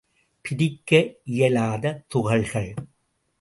பிரிக்க இயலாத துகள்கள்.